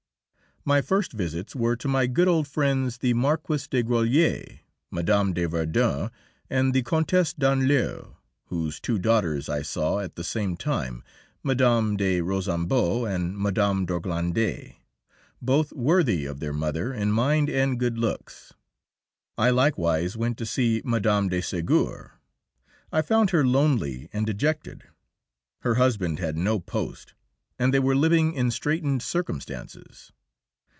My first visits were to my good old friends, the Marquise de Grollier, Mme. de Verdun and the Countess d'Andlau, whose two daughters I saw at the same time, Mme. de Rosambeau and Mme. d'Orglande, both worthy of their mother in mind and good looks. I likewise went to see Mme. de Ségur. I found her lonely and dejected; her husband had no post, and they were living in straitened circumstances.